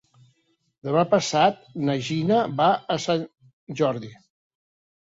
Demà passat na Gina va a Sant Jordi.